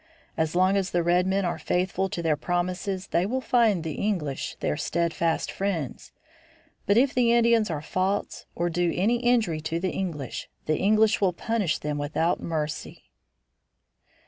As long as the red men are faithful to their promises they will find the English their steadfast friends. But if the Indians are false or do any injury to the English, the English will punish them without mercy."